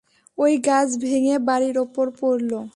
ঐ গাছ ভেঙে বাড়ির ওপর পড়ল।